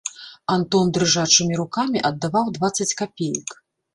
Антон дрыжачымі рукамі аддаваў дваццаць капеек.